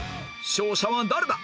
勝者は誰だ！？